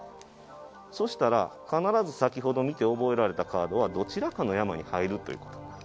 そしたら必ず先ほど見て覚えられたカードはどちらかの山に入るということになる。